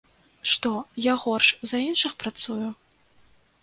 Што, я горш за іншых працую?